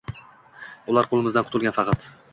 Ular qoʻlimizdan qutilgan faqat